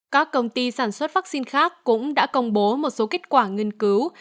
các công ty sản xuất vaccine khác cũng đã công bố một số kết quả nghiên cứu